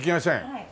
はい。